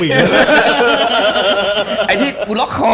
เขาฟังไทยรู้ด้วย